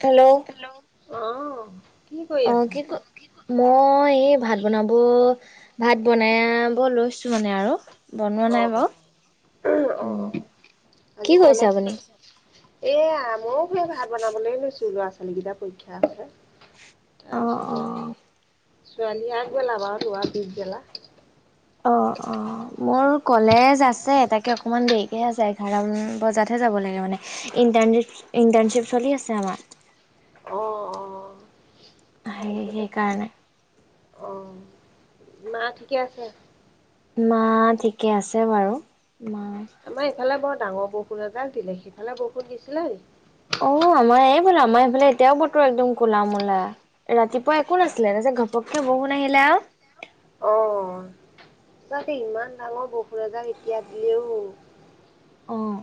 Hello অ কি কৰি অ আছা? কি ক মই এই ভাত বনাব। ভাত বনাব লৈছো মানে আৰু বনোৱা নাই অ', বাৰু অ উম কি আজি কৰিছে কলেজ আপুনি? নাই এয়া ময়ও সেই ভাত বনাবলৈ লৈছো ল'ৰা ছোৱালী কেইটা পৰীক্ষা আছে। তাৰপিছতে সেই ছোৱালী আগবেলা বাৰু লৰা পিছবেলা। অ অ মোৰ কলেজ আছে তাকে অকমান দেৰিকে আছে। বাৰ মান বজাতহে যাব লাগে মানে ইণ্টাৰ ইণ্টাৰ্ণশ্বিপ চলি আছে আমাৰ। অঁ অঁ সেই সেই কাৰণে অ', মা, ঠিকে আছে মা, ঠিকে আছে বাৰু মা আমাৰ এইফালে বৰ ডাঙৰ বৰষুণ এজাক দিলে সিফালে বৰষুণ দিছিলে নেকি। অ', আমাৰ এইফাল আমাৰ এইফালে এতিয়াও বতৰ একদম কলা মূলা ৰাতিপুৱা একো নাছিলে ন যে ঘপকে বৰষুন আহিলে আৰু অ', ত ইমান ডাঙৰ বসুজাক এতিয়া দিলেও অ',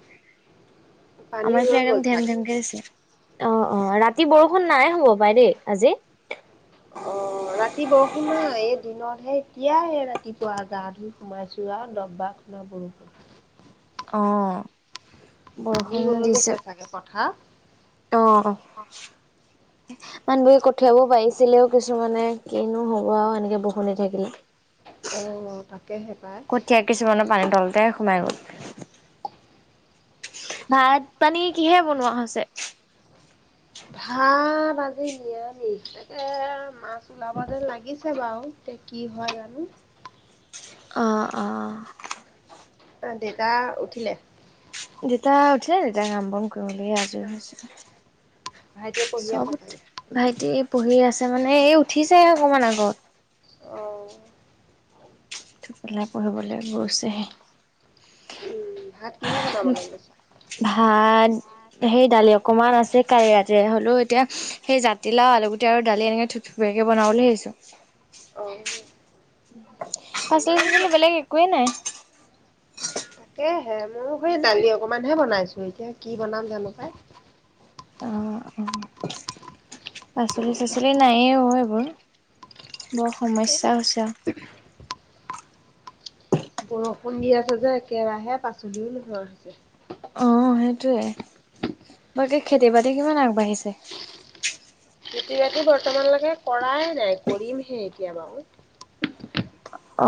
পানী আমাৰ ফ ৰৈ একদম গ'ল ধেম চাগে। ধেমক আছে অ', অ', ৰাতি বৰষুণ নাই হ'ব পাই দেই আজি অ', ৰাতি বৰষুন নাই এই দিনত সেই এতিয়াই ৰাতিপুৱা গা ধুই সোমাইছো আৰু দববা শুনা বৰষুণ অ তুমি বৰষুণ হৈ দিছে। গৈছে চাগে কথা অ', মানু বো কঠিয়াব পাৰিছিলেও কিছুমানে কিনো হ'ব আৰু এনেকে বৰষুন থাকিলে উম, কঠীয়া কিছুমানৰ পানী তলতে সোমাই গল ভাত পানী কিহে বনোৱা হৈছে বাজি [unintelligible] [inaudible] অহ, অহ, আহ, দেউতা উঠিলে? যেতিয়া উঠিলে তেতিতয়া কাম বন ভাইটিয়ে পঢ়ি আছে চাগে [unintelligible] পঢ়ি আছে মানে এই উঠিছে অকমান আগত। অ' উঠি পেলাই পঢ়িবলৈ গৈছেহে। উম ভাত কিহে বনাবলৈ লৈছা ভাত [unintelligible] দালি অকমান আছে কাৰেৰাতে হ'লেও এতিয়া সেই জাতিলাও আলুগুটি আৰু দালি এনেকে থথুীয়াকে বনাব বুলি ভাবিছোঁ অ',। পাচলি আমাৰো মা চাচলি বেলেগ একোৱেই নাই তাকেহে, ময় সেই দালি অকমান হে বনাইছো এতিয়া কি বনাম তেনেকুৱাই আহ, অ',। পাচলি, চাচলি নাইয়ে অ', এইবোৰ বৰ এ সমস্যা হৈছে আৰু বৰষুণ দি আছে যে একেৰাহে পাচলিওৰ হৈছে। অ', সেইটোৱে বাকী খেতি বাতি কিমান আগবাঢ়িছে। কট বাটো বৰ্তমানলৈকে কৰাই নাই কৰিমহে এতিয়া বাৰু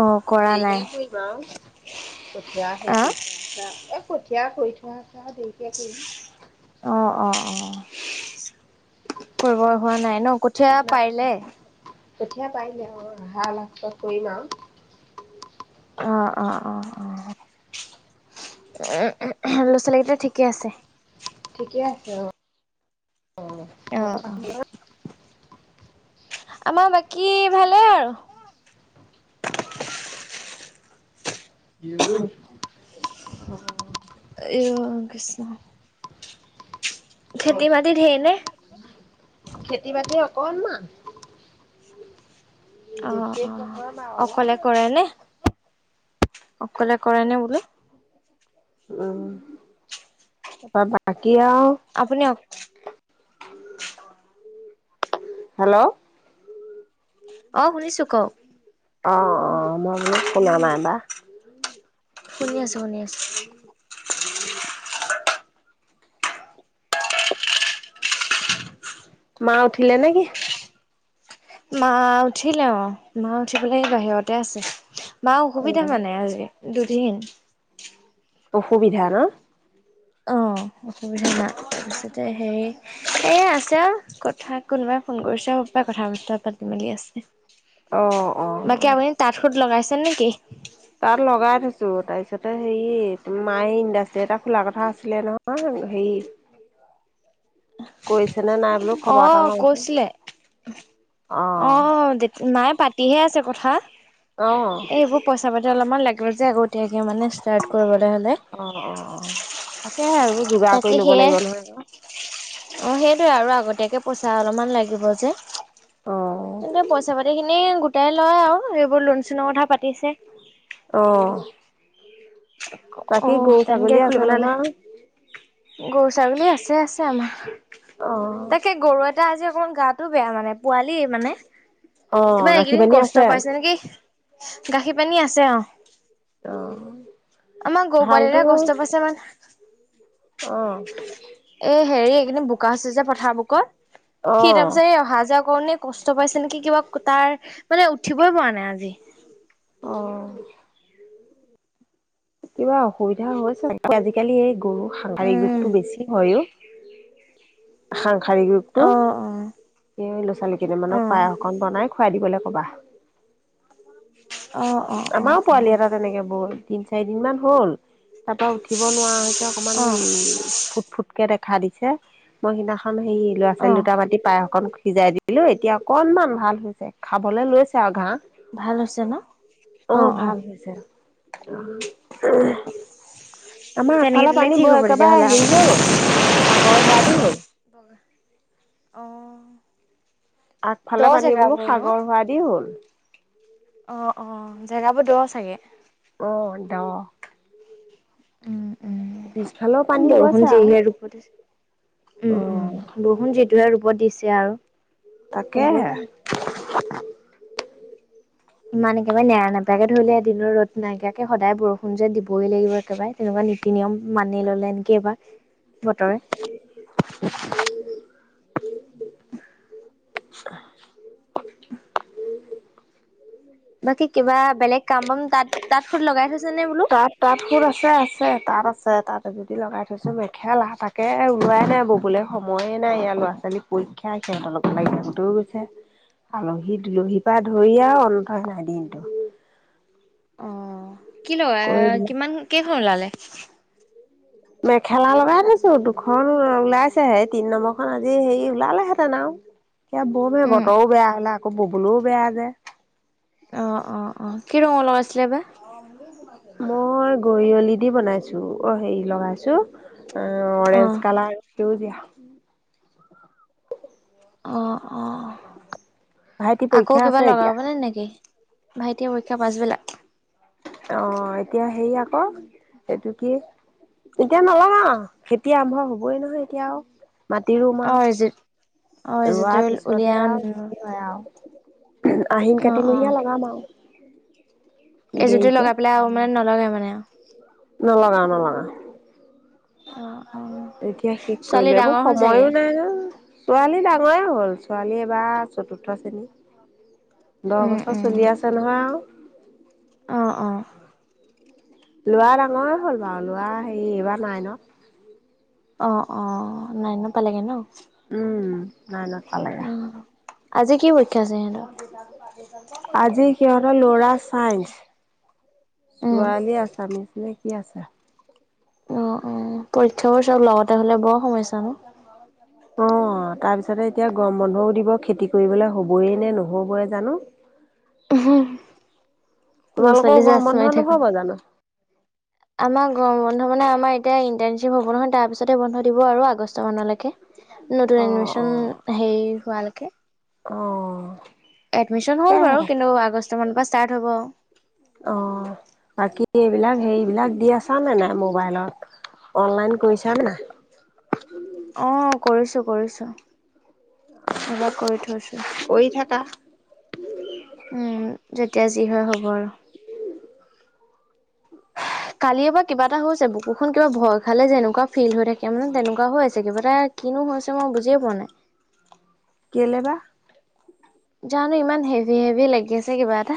অ কৰা নাই কৰিমা কঠীয়া [unintelligible] আহ এ, কঠীয়া কৰি থোৱা আছে আৰু দেৰিকে কৰিম অ', অ', অ',। কৰিব হোৱা নাই ন কঠীয়া পাৰিলে কঠীয়া পাইিলে আৰু আহা কৰিম আৰু অ', অ', অ', অ',। উ, ল'ৰা ছোৱালী কেইটা ঠিকে আছে ঠিকে, আছে অ', অ', ক আমাৰ বাকী ভালে আৰু কি এ, কিছ [unintelligible] খেতি মাটিত ধেৰ নে। খেতি-বাতি অকনমান। বিশেষ অ'-অ', নহয় বাৰু অকলে অলপমান। কৰে নে? অকলে কৰে নে বোলো? উম, [unintelligible] আপুনি অক। হেল্ল'। অ', শুনিছোঁ কওঁক। অ'-অ', মই বোলো শুনা নাই বা। শুনি আছোঁ, শুনি আছোঁ। [inaudible] মা উঠিলে নে কি? মা উঠিলে অ', মা উঠি পেলাই এই বাহিৰতে আছে। মা অসুবিধা অ', মানে আজি, দুদিন। অসুবিধা ন। অ' অসুবিধা মা, তাৰপিছতে হেৰি এ আছে আৰু কত। থাক কোনোবাই ফোন কৰিছে হবপায় কথা-বতৰা পাতি মেলি আছে। অ', বাকী অ', আপুনি তাঁত সুত লগাইছে নেকি? তাত লগাই থৈছো, তাৰপিছতে হেৰি তুম মায়ে ইণ্ডাষ্ট্ৰী এটা খোলা কথা আছিলে নহয়। হেৰি কৈছ অ', কৈছিলে। অ', জেঠী মায়ে পাতিহে আছে কথা, অ', অ', এই এইবোৰ পইচা পাতি অলপমান লাগ। যে আগতীয়াকে মানে ষ্টাৰ্ট কৰিব। অ'-অ'-অ', তাকেহে আৰু যোগাৰ তাকে কৰি ল'ব সেয়াই লাগিব নহয় আৰু। অ সেইটোৱে আৰু আগতীয়াকে পইচা অলপমান লাগিব যে, অ', কিন্তু পইচা পাতি খিনি গোট তাই লয় আৰু এইবোৰ লোন-চোনৰ কথা পাতি। অ'। বাকী অ' গৰু তেনকে ছাগলী আছে খুলিব ললে। নহয় গৰু-ছাগলী আছে আছে আমাৰ। অ', তাকে গৰু এ তাৰ‌ আজি অকমান গাতো বেয়া মানে পোৱালি মানে। অ', কিবা গাখীৰ এইকেইদিন পানী কষ্ট আছে পাইছে নেকি, গাখীৰ পানী আছে অহ। অ', আমাৰ গৰু পোৱালি হালটো এটাই কষ্ট পাইছে মানে। অ'। বুকা হৈছে যে পথাৰ বুকত সি তাৰ অ', পিছত এই অহা যোৱা। কাৰণে কষ্ট পাইছে নেকি কিবা তাৰ মানে উঠিবই পৰা নাই আজি। অ'। কিবা অসুবিধা হৈছে আজিকালি এই গৰু সাংসাৰিক উম, ৰোগতটো বেছি হয় অ'। সাং খাৰী ৰুগ টো অ', অ', এই ল'ৰা-ছোৱালী কেইটা মানক অ', পায়সকন বনাই খুৱাই দিব লাগ। কবা। অ', অ', অ', আমাৰো পোৱালি এটা তেনেকে বল। তিন চাৰিদিন মান হ'ল তাৰ পৰাা উঠিব নোৱাৰা হৈছে অকণমান অ', অ ফুট-ফুট কে থাকে। [unintelligible] দিছে মই সিদিনাখন হেৰি অ ল'ৰা-ছোৱালী দুটা মাতি পায়স অকণ সিজাই দিলোঁ এতিয়া অকণমান ভাল হৈছে খাবলৈ লৈছে আৰু ঘাঁহ। ভাল হৈছে ন'? অ', ভাল হৈছে। আমাৰ তেনেকে আগফালে দিলেই পানী ঠিক বৈ হ'ব তেতিয়াহ'লে একেবাৰে হেৰি আকৌ। হৈ গল সাগৰ হোৱাদি হ'ল। অ', দ আগফালে পানী বোলো জেগাবোৰ সাগৰ হোৱাদি হ'ল। অ'-অ', জেগাবোৰ দ' চাগে। অ', দ'। উম, উম, [unintelligible] বৰষুণ হৈছে আৰু যিহে ৰূপত দিছে। উম, উম, অ' বৰষুণ যিটোহে ৰূপত দিছে। তেতি আৰু [unintelligible] তাকে হ'বই হে। পানী। ইমান একেবাৰে নেৰা নেপাকে ধৰিলে এদিনো ৰ'দ নাইকিয়াকে সদায় বৰষুণ যে দিবই লাগিব একেবাৰে। সেনেকোৱা, নীতি নিয়ম মানি ললে নেকি এইবাৰ বতৰে। [inaudible] উম [inaudible] বাকী কিবা বেলেগ কাম বন তাঁত-তাঁত সুত লগাই থৈছে। নে বোলো তাঁত তাঁত হোত আছে আছে তাঁত আছে। তাঁত এযোটি লগাই থৈ ছো মেখেলা তাকে ওলোৱাই নাই ববলে সময়ে নাই এইয়া ল'ৰা ছোৱালী পৰীক্ষা সিহঁতৰ লাগত লাগি থাকোতেই গৈছে, আলহী দুলহীৰ পৰা ধৰি আও অন্তই নাই দিনটো। অ' কি লগা কৰি দিলে কিমান কেইখন ওলালে? মেখেলা লগাই থৈছো দুখন ওলাইছে হেই তিন নম্বৰখন আজি হেৰি ওলালেহেঁতেন আও। এতিয়া বৰ বেয়া বতৰও বেয়া হল আকৌ ববলও বেয়া যে। অ' অ' অ' কি ৰঙৰ লগাইছিলে বা? মই গৰিয়লি দি বনাইছো অ হেৰি লগাইছো। অ' অ অৰেঞ্জ কালাৰটো দিয়া। অ' অ' ভাইটি পৰীক্ষা আকৌ আছে কিবা এতিয়া লগাবনে নেকি? ভাইটিৰ পৰীক্ষা পাচবেলা। অ' এতিয়া হেৰি আকৌ সেইটো কি- এতিয়া নলগাওঁ। খেতি আৰম্ভ হ'বই নহয় এতিয়া আওঁ। মাটি ৰুম অ আওঁ, ৰিজু অ ৰিজুতি ৰোৱাৰ পিছতেহ উলিয়াই আৰু যি হয় আওঁ। আহিন অ কাটিমহীয়া লগাম আওঁ। এই যিটো লগাই পেলাই আৰু মানে নলগাই মানে আও। নলগাওঁ নলগাওঁ। অ' অ এতিয়া শেষ ছোৱালী কৰিলো। এইবোৰ ডাঙৰ হ'ল চাগে? সময়ো নাই নহয় ছোৱালী ডাঙৰে হ'ল। ছোৱালী এবাৰ চতুৰ্থ শ্ৰেণীত। দহ উম বছৰ উম। চলি আছে নহয় আও। অ', অ, ল'ৰা ডাঙৰে হ'ল বাৰু ল'ৰা হেৰি এইবাৰ নাইনত। অ', অ, নাইনত পালেহি ন'। উম নাইনট পালেগে। অ'। আজি কি পৰীক্ষা আছে সিহঁতৰ? আজি সিহঁতৰ ল'ৰা চাইঞ্চ, উম। ছোৱালী আছামিছ নে [unintelligible] আছা। অ, ' অ' পৰীক্ষাবোৰ চব লগতে হলে বৰ সমস্যা ন? অ', তাৰপিছতে এতিয়া গৰম বন্ধও দিব খেতি কৰিবলৈ হ'বইে নে নহ'বই জানোঁ। [unintelligible] ল'ৰা তোমালোকৰ ছোৱালী গৰম যাচ বন্ধ মাৰি [unintelligible] নহ'ব জানো? আমাৰ গৰম বন্ধ মানে আমাৰ এতিয়া ইণ্টাৰ্ণশ্বিপ হ'ব নহয় তাৰ লপিছতে বন্ধ দিব আৰু আগষ্টৰ মানলৈকে। নতুন অ', এডমিচন অ', হেৰি হোৱালৈকে। অ', এডমিচন হ'ল বাৰু তাকেহে কিন্তু আগষ্ট মানৰ পা ষ্টাৰ্ট হ'ব। অ' বাকী এইবিলাক হেৰিবিলাক দি আছা নে নাই মোবাইলত। অনলাইন কৰিছা নে নাই? অ' কৰিছো কৰিছো এইবাৰ কৰি থৈছো। কৰি থাকা এতিয়া যি হয় হ'ব আৰু। [inaudible] কালিয় পা কিবা এটা হৈছে বুকুখন কিবা ভয় খালে যেনেকুৱা ফিল হৈ থাকে মানে তেনেকুৱা হৈ আছে কিবা এটা কিনো হৈছে মই বুজিয়ে পোৱা নাই কেলে বা জানো ইমান হেভি হেভি লাগি আছে কিবা এটা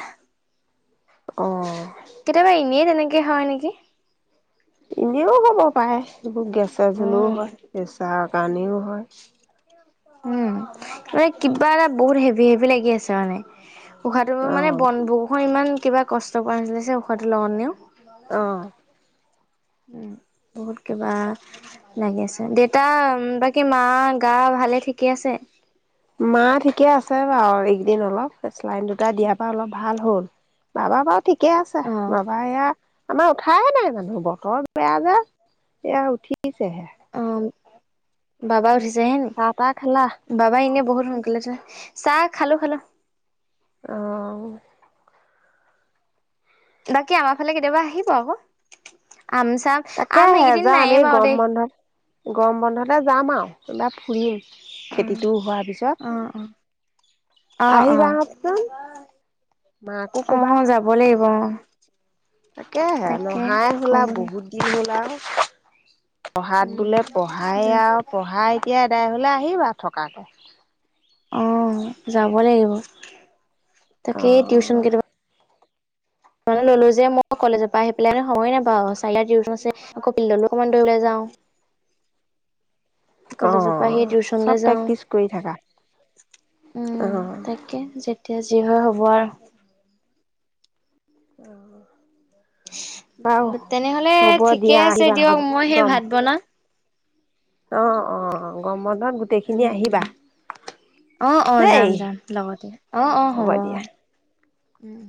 অ কেতিয়াবা এনেই তেনেকে হয় নেকি এনেও হ'ব পাৰে এইবোৰ গেছে চেছ হ'লেও উম হয় পেচাৰত কাৰণেও হয় উমে কিবা এটা বহুত হেভি হেভি লাগি আছে মানে। উশাহটো মানে অ', বনভো ইমান কিবা কষ্ট কৰা নাছিলে উশাহটো লগত নিও [unintelligible] অ'। উম বহুত কিবা লাগি আছে দেউতা বাকী মা গা ভালে ঠিকে আছে মা ঠিকে আছে বাৰু এইকেইদিন অলপ চেলাইন দুটা দিয়াৰ পৰা অলপ ভাল হ'ল বাবা বাও ঠিকে আছে অ বাবা এয়া আমাৰ উঠাই নাই মানুহ বতৰ বেয়া যে, এয়া উঠিছেহে। অ বাবা উঠিছে হে নি, চাহ তাহ খালা বাবা এনে বহুত শুনকালে উঠে, চাহ খালো খালো। অহ। বাকী আমাৰ ফালে কেতিয়াবা আহিব আকৌ। আম চাম তাকে আম এইকেইদিন সেজা আমি নাইয়ে বাৰু গৰম দেই বন্ধত, গৰম বন্ধতে যাম আও এবাৰ ফুৰিম। খেতিটো হোৱা পিছত অ অ অ অ অ আহিবা যাব লাগিব অ তাকে তাকে নহাই হ'লা ক'ব লাগিব বহুত দিন হ'লা আও। পঢ়াত বোলে পঢ়াই আ পঢ়াই এতিয়া আদাই হ'লে আহিবা থকাকে। অ যাব লাগিব তাকেই টিউচন অ কেতাপা ললো যে মই কলেজৰ পৰা আহি পেলাই সময় নেপাওঁ চাৰিটা টউচন আছে আকৌ পিল্ডো অকমান দৌলৈ যাওঁ। [unintelligible] অহ চব কলেজৰ পৰা আহি প্ৰেক্টিচ টিউচনলৈ যাওঁ কৰি থাকা। অ উম তাকে যেতিয়া যি হয় হ'ব আৰু। বাৰু তেনেহলে হ'ব ঠিকে দিয়া আছে আহিবা দিয়ক মই সেই গম ভাত বনা অ অ গৰম বন্ধত গোটেইখিনি উম আহিবা। উম অ অ দেই যাম যাম লগতে অ অ হ'ব অ উ উম।